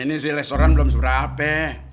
ini sih restoran belum seberapa